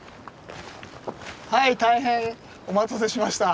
はい大変お待たせしました。